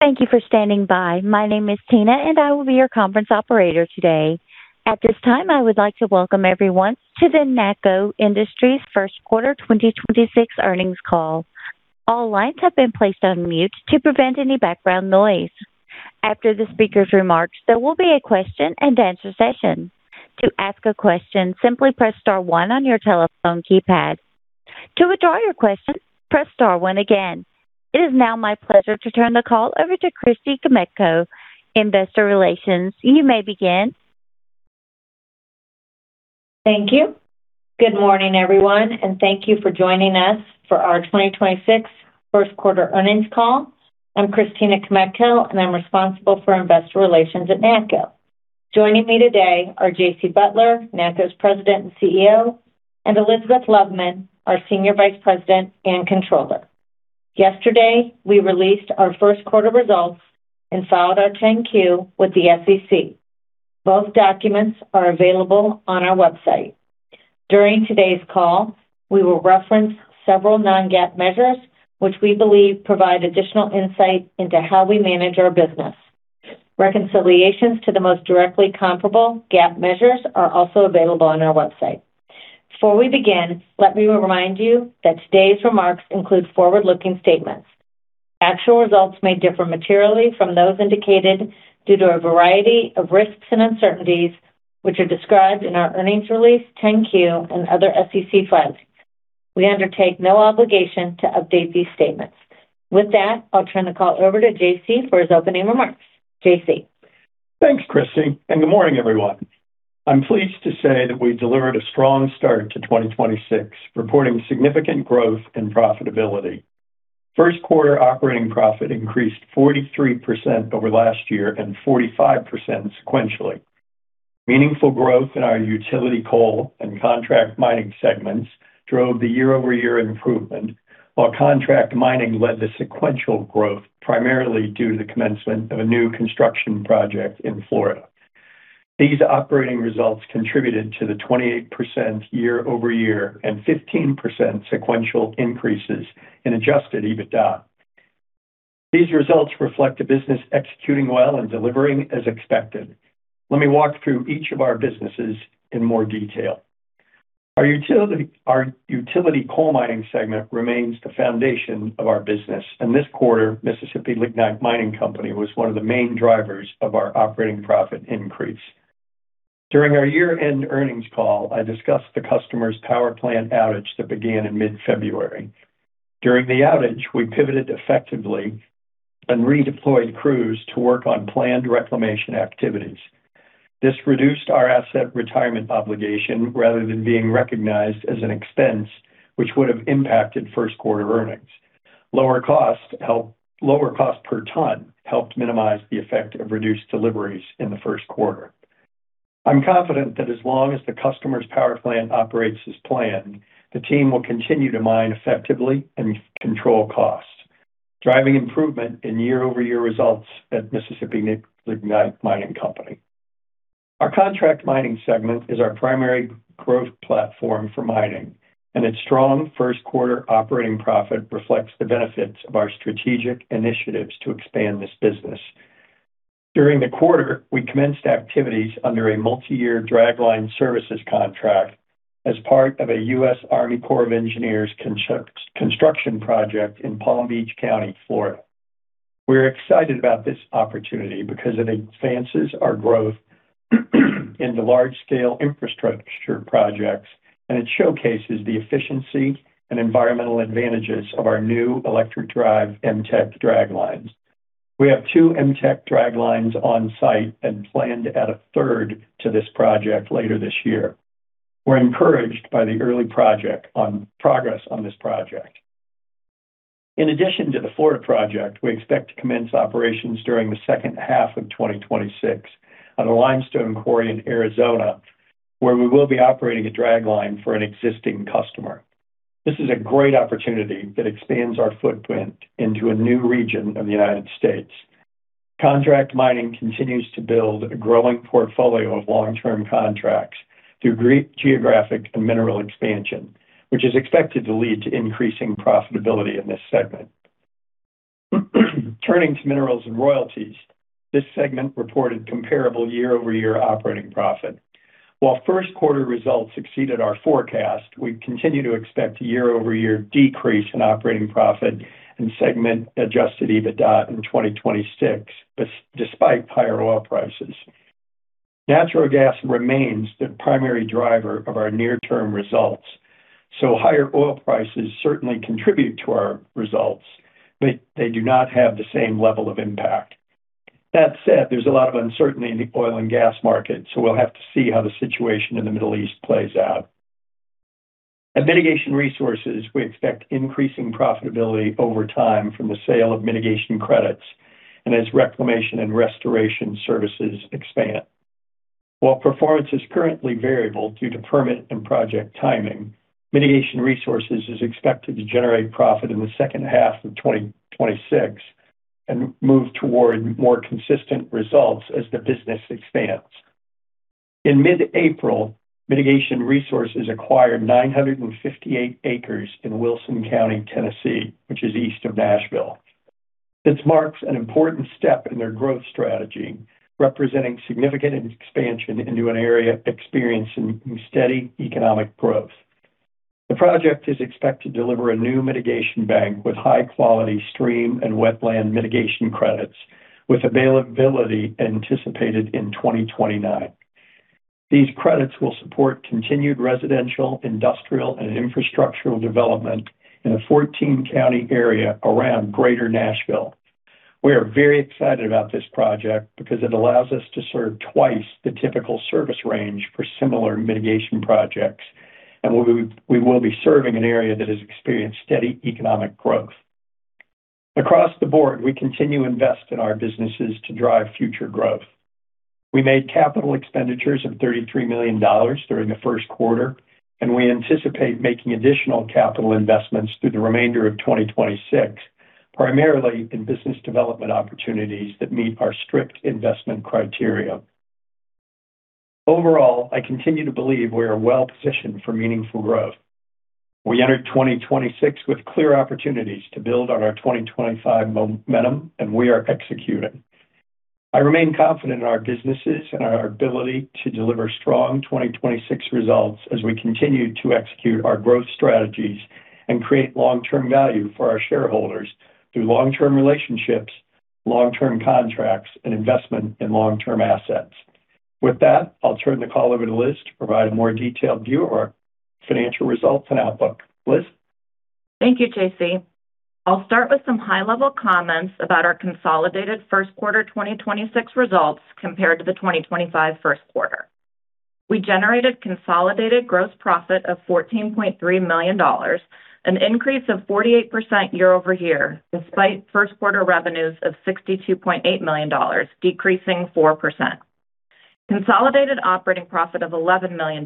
Thank you for standing by. My name is Tina, and I will be your conference operator today. At this time, I would like to welcome everyone to the NACCO Industries First Quarter 2026 Earnings Call. All lines have been placed on mute to prevent any background noise. After the speaker's remarks, there will be a question-and-answer session. To ask a question, simply press star one on your telephone keypad. To withdraw your question, press star one again. It is now my pleasure to turn the call over to Christina Kmetko, Investor Relations. You may begin. Thank you. Good morning, everyone, and thank you for joining us for our 2026 first quarter earnings call. I'm Christina Kmetko, and I'm responsible for investor relations at NACCO. Joining me today are J.C. Butler, NACCO's President and Chief Executive Officer, and Elizabeth Loveman, our Senior Vice President and Controller. Yesterday, we released our first quarter results and filed our 10-Q with the SEC. Both documents are available on our website. During today's call, we will reference several non-GAAP measures which we believe provide additional insight into how we manage our business. Reconciliations to the most directly comparable GAAP measures are also available on our website. Before we begin, let me remind you that today's remarks include forward-looking statements. Actual results may differ materially from those indicated due to a variety of risks and uncertainties which are described in our earnings release, 10-Q, and other SEC filings. We undertake no obligation to update these statements. With that, I'll turn the call over to J.C. for his opening remarks. J.C. Thanks, Christie. Good morning, everyone. I'm pleased to say that we delivered a strong start to 2026, reporting significant growth and profitability. First quarter operating profit increased 43% over last year and 45% sequentially. Meaningful growth in our utility coal and contract mining segments drove the year-over-year improvement, while contract mining led to sequential growth primarily due to the commencement of a new construction project in Florida. These operating results contributed to the 28% year-over-year and 15% sequential increases in adjusted EBITDA. These results reflect a business executing well and delivering as expected. Let me walk through each of our businesses in more detail. Our utility coal mining segment remains the foundation of our business. This quarter, Mississippi Lignite Mining Company was one of the main drivers of our operating profit increase. During our year-end earnings call, I discussed the customer's power plant outage that began in mid-February. During the outage, we pivoted effectively and redeployed crews to work on planned reclamation activities. This reduced our asset retirement obligation rather than being recognized as an expense which would have impacted first quarter earnings. Lower cost per ton helped minimize the effect of reduced deliveries in the first quarter. I'm confident that as long as the customer's power plant operates as planned, the team will continue to mine effectively and control costs, driving improvement in year-over-year results at Mississippi Lignite Mining Company. Our contract mining segment is our primary growth platform from mining. Its strong first quarter operating profit reflects the benefits of our strategic initiatives to expand this business. During the quarter, we commenced activities under a multi-year dragline services contract as part of a U.S. Army Corps of Engineers construction project in Palm Beach County, Florida. We're excited about this opportunity because it advances our growth into large-scale infrastructure projects, it showcases the efficiency and environmental advantages of our new electric drive MTECK draglines. We have two MTECK draglines on site and plan to add a third to this project later this year. We're encouraged by the early project progress on this project. In addition to the Florida project, we expect to commence operations during the second half of 2026 on a limestone quarry in Arizona, where we will be operating a dragline for an existing customer. This is a great opportunity that expands our footprint into a new region of the United States. Contract mining continues to build a growing portfolio of long-term contracts through great geographic and mineral expansion, which is expected to lead to increasing profitability in this segment. Turning to Minerals and Royalties, this segment reported comparable year-over-year operating profit. While first quarter results exceeded our forecast, we continue to expect a year-over-year decrease in operating profit and segment adjusted EBITDA in 2026, despite higher oil prices. Natural gas remains the primary driver of our near-term results, so higher oil prices certainly contribute to our results, but they do not have the same level of impact. That said, there's a lot of uncertainty in the oil and gas market, so we'll have to see how the situation in the Middle East plays out. At Mitigation Resources, we expect increasing profitability over time from the sale of mitigation credits and as reclamation and restoration services expand. While performance is currently variable due to permit and project timing, Mitigation Resources is expected to generate profit in the second half of 2026 and move toward more consistent results as the business expands. In mid-April, Mitigation Resources acquired 958 acres in Wilson County, Tennessee, which is east of Nashville. This marks an important step in their growth strategy, representing significant expansion into an area experiencing steady economic growth. The project is expected to deliver a new mitigation bank with high-quality stream and wetland mitigation credits, with availability anticipated in 2029. These credits will support continued residential, industrial, and infrastructural development in a 14-county area around Greater Nashville. We are very excited about this project because it allows us to serve twice the typical service range for similar mitigation projects, and we will be serving an area that has experienced steady economic growth. Across the board, we continue to invest in our businesses to drive future growth. We made capital expenditures of $33 million during the first quarter, and we anticipate making additional capital investments through the remainder of 2026, primarily in business development opportunities that meet our strict investment criteria. Overall, I continue to believe we are well-positioned for meaningful growth. We entered 2026 with clear opportunities to build on our 2025 momentum, and we are executing. I remain confident in our businesses and our ability to deliver strong 2026 results as we continue to execute our growth strategies and create long-term value for our shareholders through long-term relationships, long-term contracts, and investment in long-term assets. With that, I'll turn the call over to Liz to provide a more detailed view of our financial results and outlook. Liz? Thank you, J.C. I'll start with some high-level comments about our consolidated first quarter 2026 results compared to the 2025 first quarter. We generated consolidated gross profit of $14.3 million, an increase of 48% year-over-year, despite first quarter revenues of $62.8 million decreasing 4%. Consolidated operating profit of $11 million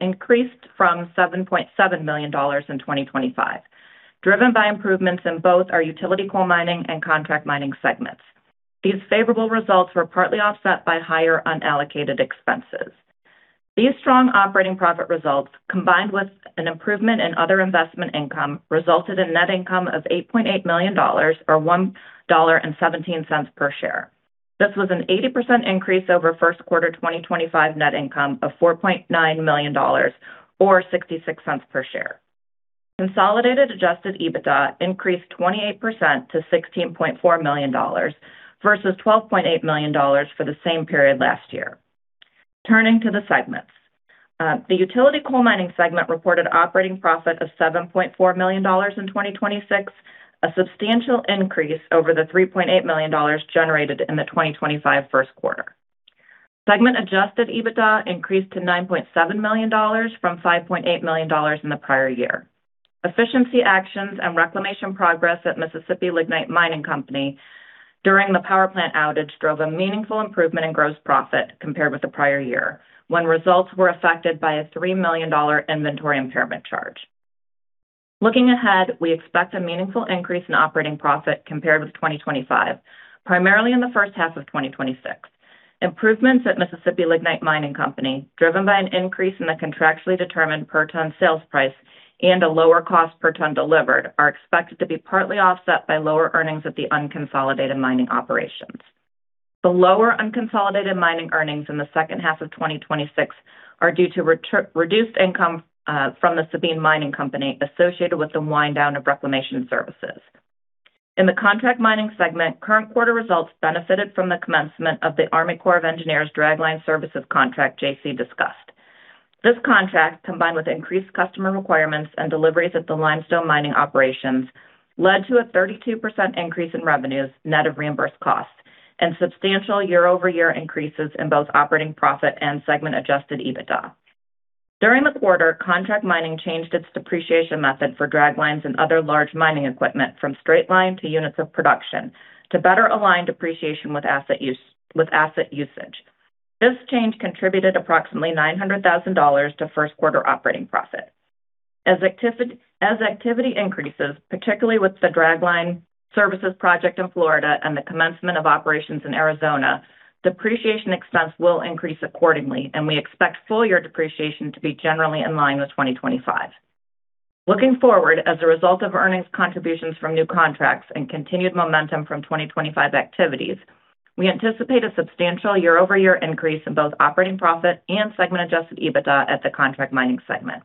increased from $7.7 million in 2025, driven by improvements in both our utility coal mining and contract mining segments. These favorable results were partly offset by higher unallocated expenses. These strong operating profit results, combined with an improvement in other investment income, resulted in net income of $8.8 million or $1.17 per share. This was an 80% increase over first quarter 2025 net income of $4.9 million or $0.66 per share. Consolidated adjusted EBITDA increased 28% to $16.4 million versus $12.8 million for the same period last year. Turning to the segments. The utility coal mining segment reported operating profit of $7.4 million in 2026, a substantial increase over the $3.8 million generated in the 2025 first quarter. Segment adjusted EBITDA increased to $9.7 million from $5.8 million in the prior year. Efficiency actions and reclamation progress at Mississippi Lignite Mining Company during the power plant outage drove a meaningful improvement in gross profit compared with the prior year when results were affected by a $3 million inventory impairment charge. Looking ahead, we expect a meaningful increase in operating profit compared with 2025, primarily in the first half of 2026. Improvements at Mississippi Lignite Mining Company, driven by an increase in the contractually determined per ton sales price and a lower cost per ton delivered, are expected to be partly offset by lower earnings at the unconsolidated mining operations. The lower unconsolidated mining earnings in the second half of 2026 are due to reduced income from The Sabine Mining Company associated with the wind down of reclamation services. In the contract mining segment, current quarter results benefited from the commencement of the U.S. Army Corps of Engineers dragline services contract J.C. discussed. This contract, combined with increased customer requirements and deliveries at the limestone mining operations, led to a 32% increase in revenues net of reimbursed costs and substantial year-over-year increases in both operating profit and segment adjusted EBITDA. During the quarter, contract mining changed its depreciation method for draglines and other large mining equipment from straight line to units of production to better align depreciation with asset usage. This change contributed approximately $900,000 to first quarter operating profit. As activity increases, particularly with the dragline services project in Florida and the commencement of operations in Arizona, depreciation expense will increase accordingly, and we expect full-year depreciation to be generally in line with 2025. Looking forward, as a result of earnings contributions from new contracts and continued momentum from 2025 activities, we anticipate a substantial year-over-year increase in both operating profit and segment adjusted EBITDA at the contract mining segment.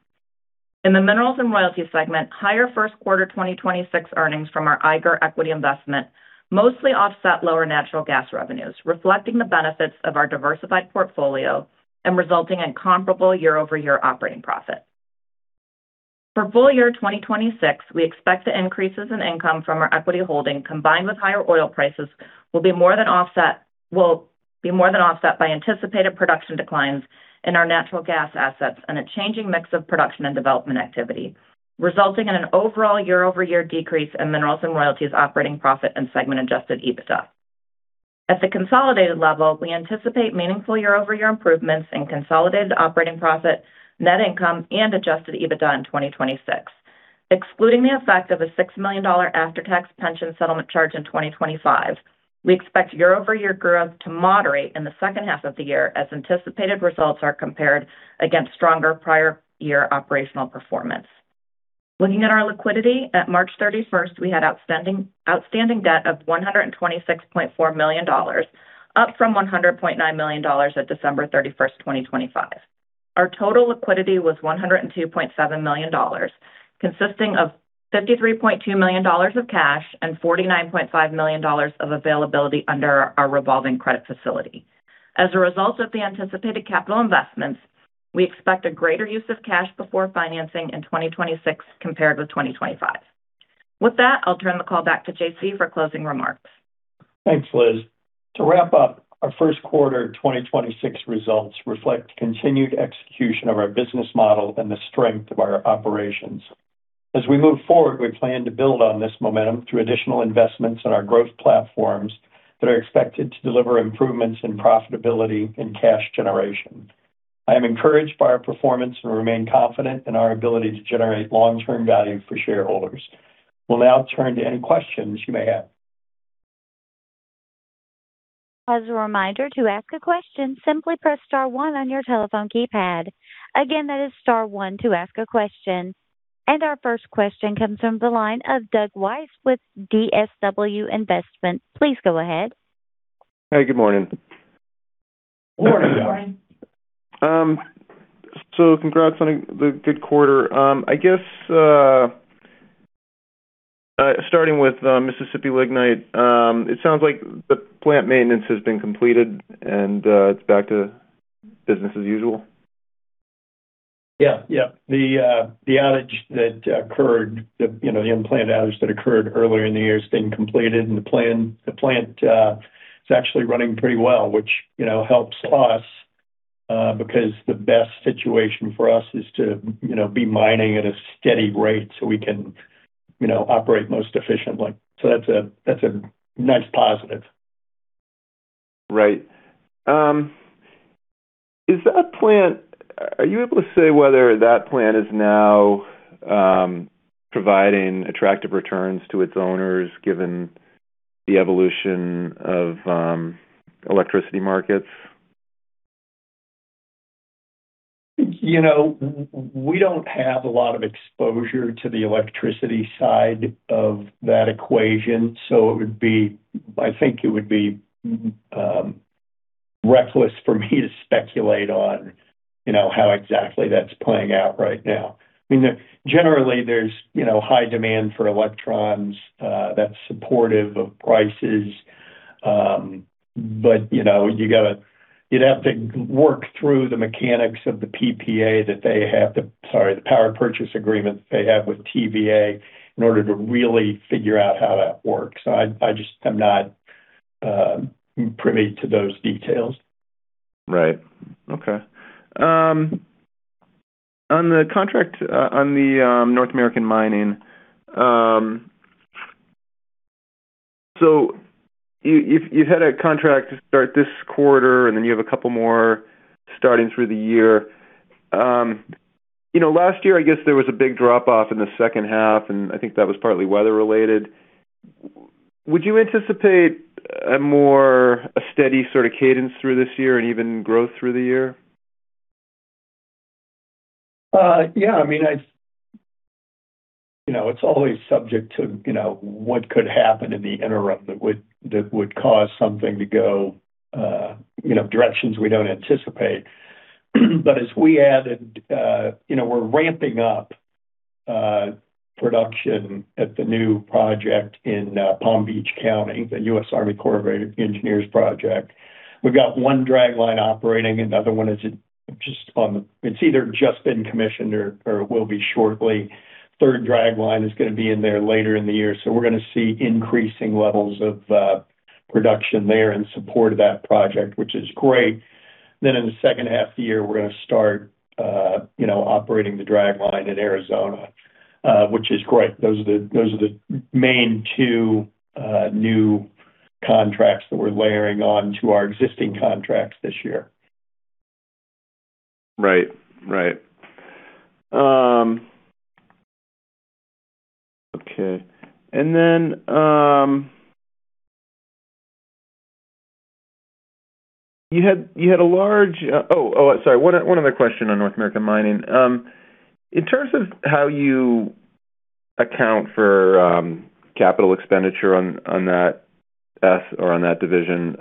In the Minerals and Royalties segment, higher first quarter 2026 earnings from our Eiger equity investment mostly offset lower natural gas revenues, reflecting the benefits of our diversified portfolio and resulting in comparable year-over-year operating profit. For full year 2026, we expect the increases in income from our equity holding, combined with higher oil prices, will be more than offset by anticipated production declines in our natural gas assets and a changing mix of production and development activity, resulting in an overall year-over-year decrease in Minerals and Royalties operating profit and segment adjusted EBITDA. At the consolidated level, we anticipate meaningful year-over-year improvements in consolidated operating profit, net income, and adjusted EBITDA in 2026. Excluding the effect of a $6 million after-tax pension settlement charge in 2025, we expect year-over-year growth to moderate in the second half of the year as anticipated results are compared against stronger prior year operational performance. Looking at our liquidity, at March 31st, we had outstanding debt of $126.4 million, up from $100.9 million at December 31st, 2025. Our total liquidity was $102.7 million, consisting of $53.2 million of cash and $49.5 million of availability under our revolving credit facility. As a result of the anticipated capital investments, we expect a greater use of cash before financing in 2026 compared with 2025. With that, I'll turn the call back to J.C. for closing remarks. Thanks, Liz. To wrap up, our first quarter of 2026 results reflect continued execution of our business model and the strength of our operations. As we move forward, we plan to build on this momentum through additional investments in our growth platforms that are expected to deliver improvements in profitability and cash generation. I am encouraged by our performance and remain confident in our ability to generate long-term value for shareholders. We'll now turn to any questions you may have. As a reminder, to ask a question, simply press star one on your telephone keypad. Again, that is star one to ask a question. Our first question comes from the line of Doug Weiss with DSW Investment. Please go ahead. Hey, good morning. Morning, Doug. Congrats on the good quarter. I guess, starting with Mississippi Lignite, it sounds like the plant maintenance has been completed and it's back to business as usual. Yeah. Yeah. The outage that occurred, the, you know, the unplanned outage that occurred earlier in the year has been completed, and the plant is actually running pretty well, which, you know, helps us because the best situation for us is to, you know, be mining at a steady rate so we can, you know, operate most efficiently. That's a nice positive. Right. Are you able to say whether that plant is now providing attractive returns to its owners given the evolution of electricity markets? You know, we don't have a lot of exposure to the electricity side of that equation, I think it would be reckless for me to speculate on, you know, how exactly that's playing out right now. I mean, generally, there's, you know, high demand for electrons, that's supportive of prices. You know, you'd have to work through the mechanics of the PPA that they have to sorry, the power purchase agreement they have with TVA in order to really figure out how that works. I'm not privy to those details. Right. Okay. On the contract, on the North American Mining, you've had a contract to start this quarter, and then you have a couple more starting through the year. you know, last year, I guess there was a big drop-off in the second half, and I think that was partly weather-related. Would you anticipate a steady sort of cadence through this year and even growth through the year? Yeah. I mean, I You know, it's always subject to, you know, what could happen in the interim that would, that would cause something to go, you know, directions we don't anticipate. As we added, you know, we're ramping up production at the new project in Palm Beach County, the U.S. Army Corps of Engineers project. We've got one dragline operating. Another one is just it's either just been commissioned or will be shortly. Third dragline is gonna be in there later in the year. We're gonna see increasing levels of production there in support of that project, which is great. In the second half of the year, we're gonna start, you know, operating the dragline in Arizona, which is great. Those are the main two new contracts that we're layering on to our existing contracts this year. Right. Right. Okay. You had one other question on North American Mining. In terms of how you account for capital expenditure on that division,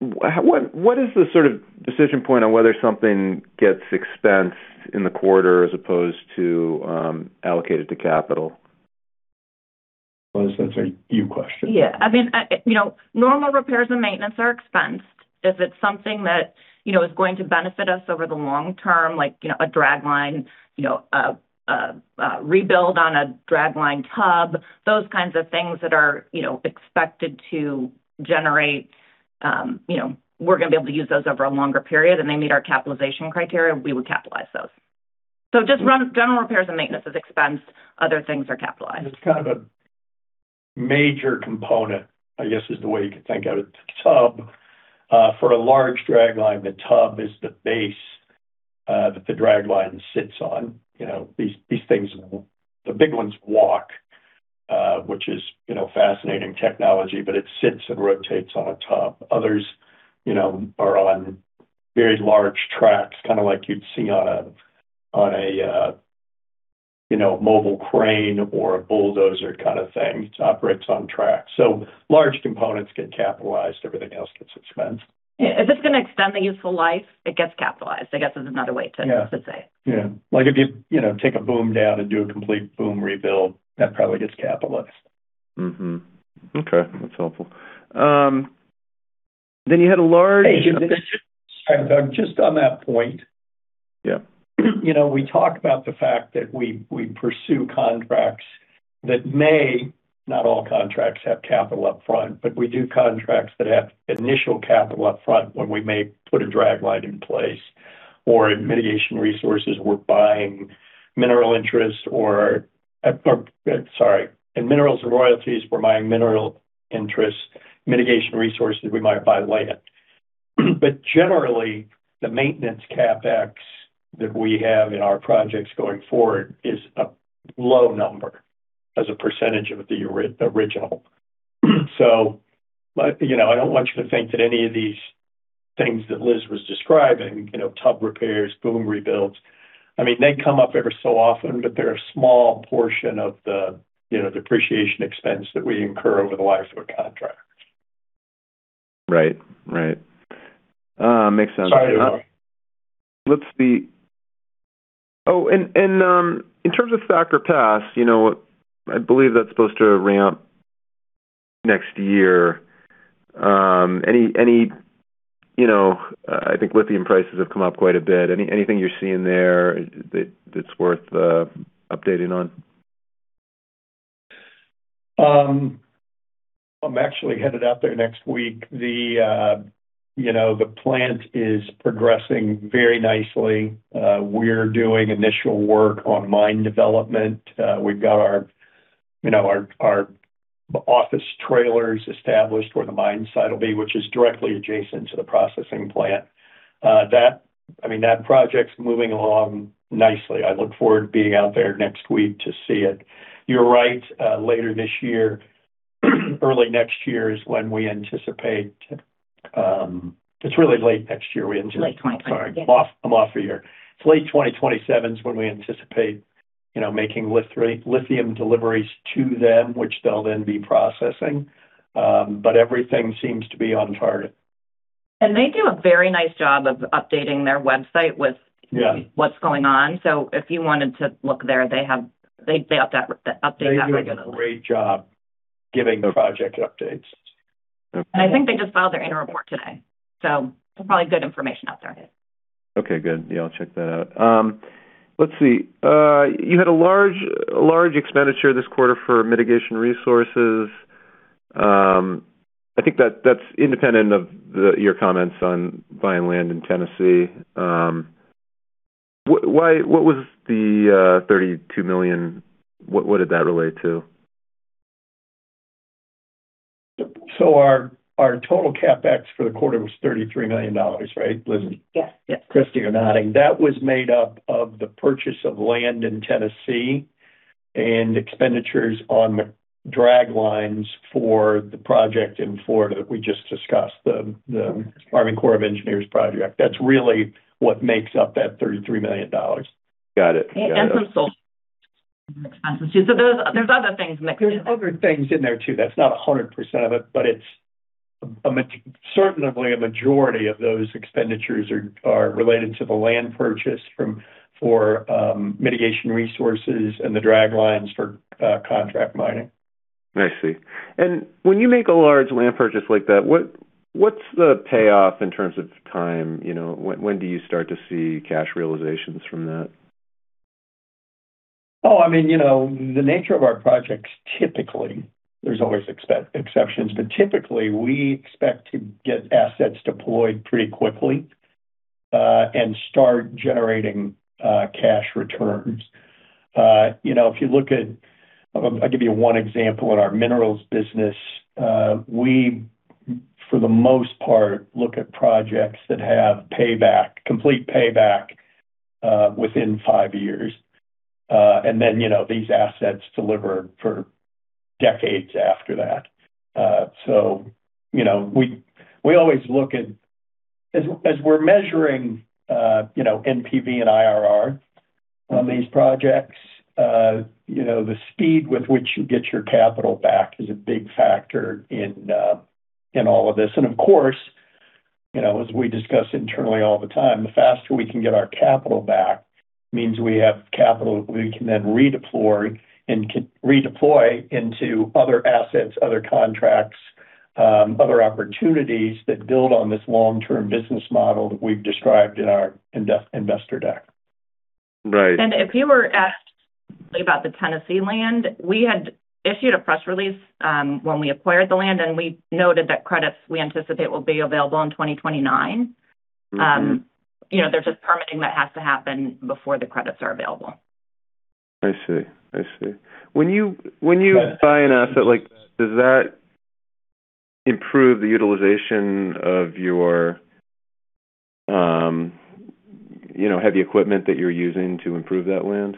what is the sort of decision point on whether something gets expensed in the quarter as opposed to allocated to capital? Liz, that's a you question. I mean, you know, normal repairs and maintenance are expensed. If it's something that, you know, is going to benefit us over the long term, like, you know, a dragline, you know, a rebuild on a dragline tub, those kinds of things that are, you know, expected to generate, you know, we're gonna be able to use those over a longer period and they meet our capitalization criteria, we would capitalize those. Just general repairs and maintenance is expensed, other things are capitalized. It's kind of a major component, I guess, is the way you can think of it. The tub, for a large dragline, the tub is the base that the dragline sits on. You know, these things, the big ones walk, which is, you know, fascinating technology, but it sits and rotates on a tub. Others, you know, are on very large tracks, kind of like you'd see on a, you know, mobile crane or a bulldozer kind of thing. It operates on tracks. Large components get capitalized, everything else gets expensed. Yeah. If it's gonna extend the useful life, it gets capitalized, I guess is another way. Yeah to say it. Yeah. Like if you know, take a boom down and do a complete boom rebuild, that probably gets capitalized. Okay. That's helpful. Hey, Sorry, Doug, just on that point. Yeah. You know, we talk about the fact that we pursue contracts that not all contracts have capital upfront, but we do contracts that have initial capital upfront when we may put a dragline in place or in Mitigation Resources, we're buying mineral interests. In Minerals and Royalties, we're buying mineral interests. Mitigation resources, we might buy land. Generally, the maintenance CapEx that we have in our projects going forward is a low number as a percentage of the original. You know, I don't want you to think that any of these things that Liz was describing, you know, tub repairs, boom rebuilds, I mean, they come up every so often, but they're a small portion of the, you know, depreciation expense that we incur over the life of a contract. Right. Right. makes sense. Sorry about that. Let's see. In terms of Thacker Pass, you know, I believe that's supposed to ramp next year. Any, you know, I think lithium prices have come up quite a bit. Anything you're seeing there that's worth updating on? I'm actually headed out there next week. The, you know, the plant is progressing very nicely. We're doing initial work on mine development. We've got our, you know, our office trailers established where the mine site will be, which is directly adjacent to the processing plant. That, I mean, that project's moving along nicely. I look forward to being out there next week to see it. You're right, later this year, early next year is when we anticipate. It's really late next year we anticipate. Late 2027s. Sorry. I'm off a year. It's late 2027 when we anticipate, you know, making lithium deliveries to them, which they'll then be processing. Everything seems to be on target. They do a very nice job of updating their website. Yeah What's going on. If you wanted to look there, they update that regularly. They do a great job giving the project updates. I think they just filed their annual report today, so there's probably good information out there. Okay, good. Yeah, I'll check that out. Let's see. You had a large expenditure this quarter for Mitigation Resources. I think that's independent of your comments on buying land in Tennessee. What was the $32 million? What did that relate to? Our total CapEx for the quarter was $33 million, right, Liz? Yes. Yes. Christie, you're nodding. That was made up of the purchase of land in Tennessee and expenditures on the drag lines for the project in Florida we just discussed, the Army Corps of Engineers project. That's really what makes up that $33 million. Got it. Got it. Some sold expenses too. There's other things mixed in. There's other things in there too. That's not 100% of it's certainly a majority of those expenditures are related to the land purchase from, for Mitigation Resources and the drag lines for contract mining. I see. When you make a large land purchase like that, what's the payoff in terms of time? You know, when do you start to see cash realizations from that? I mean, you know, the nature of our projects, typically, there's always exceptions, but typically we expect to get assets deployed pretty quickly and start generating cash returns. You know, if you look at I'll give you one example. In our minerals business, we, for the most part, look at projects that have payback, complete payback, within five years. You know, these assets deliver for decades after that. You know, we always look at as we're measuring, you know, NPV and IRR on these projects, you know, the speed with which you get your capital back is a big factor in all of this. Of course, you know, as we discuss internally all the time, the faster we can get our capital back means we have capital we can then redeploy into other assets, other contracts, other opportunities that build on this long-term business model that we've described in our investor deck. Right. If you were asked about the Tennessee land, we had issued a press release, when we acquired the land, and we noted that credits we anticipate will be available in 2029. You know, there's just permitting that has to happen before the credits are available. I see. I see. When you buy an asset, like, does that improve the utilization of your, you know, heavy equipment that you're using to improve that land?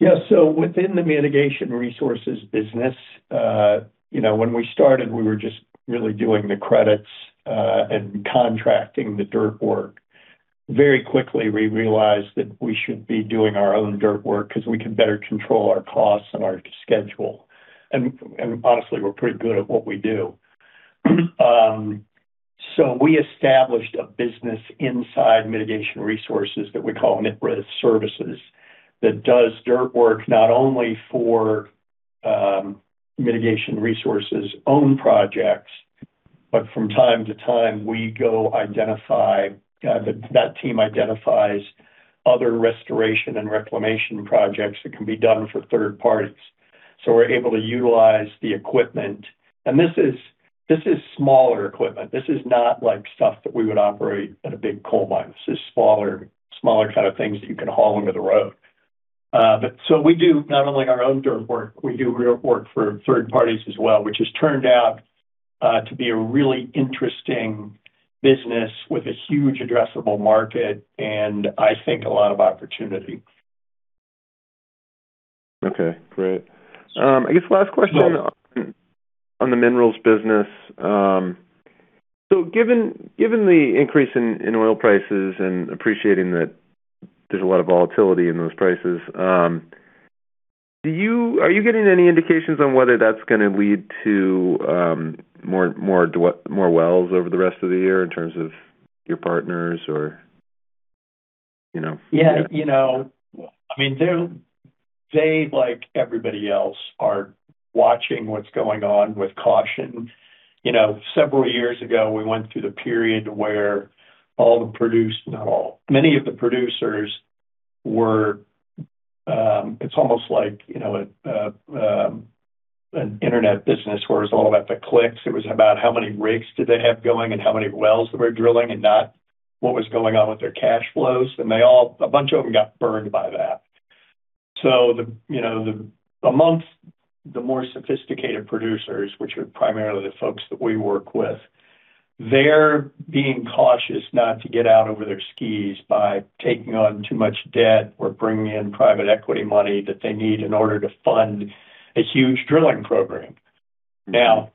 Yeah. Within the Mitigation Resources business, you know, when we started, we were just really doing the credits and contracting the dirt work. Very quickly, we realized that we should be doing our own dirt work 'cause we can better control our costs and our schedule. Honestly, we're pretty good at what we do. We established a business inside Mitigation Resources that we call MitRes Services, that does dirt work not only for Mitigation Resources' own projects, but from time to time, we go identify that team identifies other restoration and reclamation projects that can be done for third parties. We're able to utilize the equipment. This is smaller equipment. This is not like stuff that we would operate at a big coal mine. This is smaller kind of things that you can haul into the road. We do not only our own dirt work, we do real work for third parties as well, which has turned out to be a really interesting business with a huge addressable market and I think a lot of opportunity. Okay, great. I guess last question on the minerals business. Given the increase in oil prices and appreciating that there's a lot of volatility in those prices, are you getting any indications on whether that's gonna lead to more wells over the rest of the year in terms of your partners or, you know? Yeah, you know, I mean, they, like everybody else, are watching what's going on with caution. You know, several years ago, we went through the period where not all, many of the producers were. It's almost like, you know, an internet business where it's all about the clicks. It was about how many rigs did they have going and how many wells they were drilling and not what was going on with their cash flows. A bunch of them got burned by that. You know, amongst the more sophisticated producers, which are primarily the folks that we work with, they're being cautious not to get out over their skis by taking on too much debt or bringing in private equity money that they need in order to fund a huge drilling program. Now,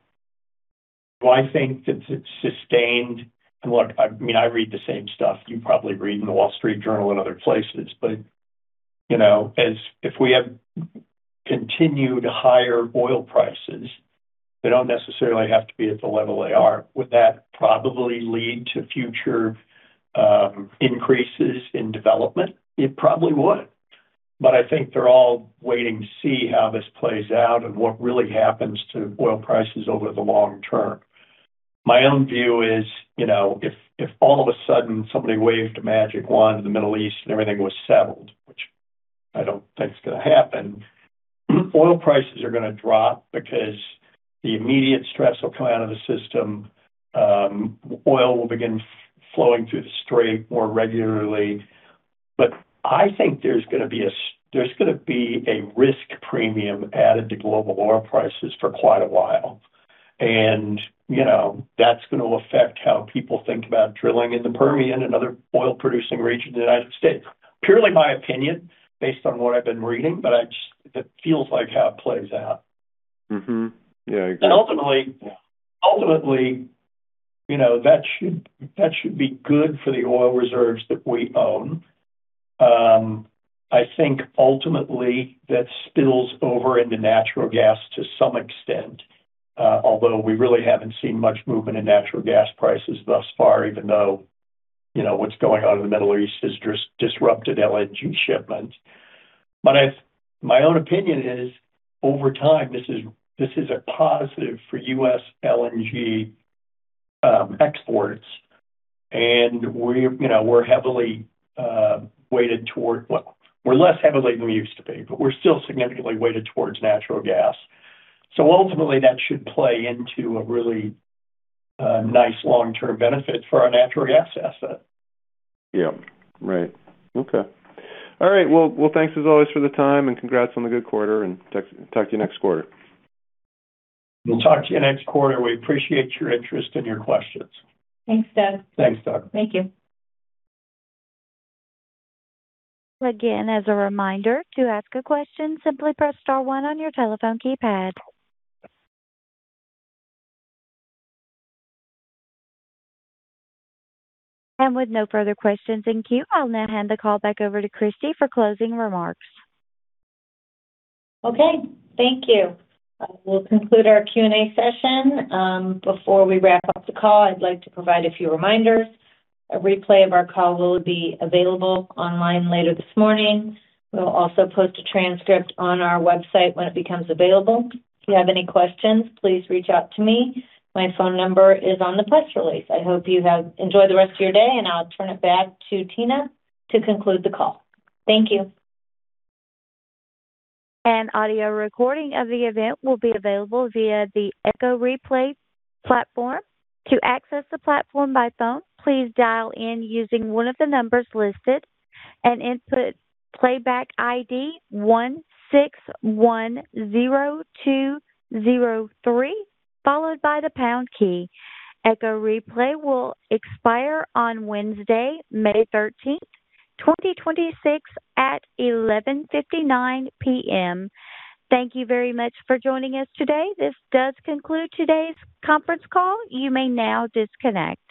do I think that it's sustained? Look, I mean, I read the same stuff you probably read in The Wall Street Journal and other places. You know, if we have continued higher oil prices, they don't necessarily have to be at the level they are. Would that probably lead to future increases in development? It probably would. I think they're all waiting to see how this plays out and what really happens to oil prices over the long term. My own view is, you know, if all of a sudden somebody waved a magic wand in the Middle East and everything was settled, which I don't think is gonna happen, oil prices are gonna drop because the immediate stress will come out of the system. Oil will begin flowing through the strait more regularly. I think there's gonna be a risk premium added to global oil prices for quite a while. You know, that's gonna affect how people think about drilling in the Permian and other oil-producing regions of the United States. Purely my opinion based on what I've been reading, I just it feels like how it plays out. Yeah, I agree. Ultimately, you know, that should be good for the oil reserves that we own. I think ultimately that spills over into natural gas to some extent, although we really haven't seen much movement in natural gas prices thus far, even though, you know, what's going on in the Middle East has disrupted LNG shipments. My own opinion is over time, this is a positive for U.S. LNG exports. We're, you know, we're heavily weighted toward we're less heavily than we used to be, but we're still significantly weighted towards natural gas. Ultimately, that should play into a really nice long-term benefit for our natural gas asset. Yeah. Right. Okay. All right. Well, thanks as always for the time. Congrats on the good quarter. Talk to you next quarter. We'll talk to you next quarter. We appreciate your interest and your questions. Thanks, Doug. Thanks, Doug. Thank you. Again, as a reminder, to ask a question, simply press star one on your telephone keypad. With no further questions in queue, I'll now hand the call back over to Christie for closing remarks. Okay. Thank you. We'll conclude our Q&A session. Before we wrap up the call, I'd like to provide a few reminders. A replay of our call will be available online later this morning. We'll also post a transcript on our website when it becomes available. If you have any questions, please reach out to me. My phone number is on the press release. I hope you enjoy the rest of your day, and I'll turn it back to Tina to conclude the call. Thank you. Thank you very much for joining us today. This does conclude today's conference call. You may now disconnect.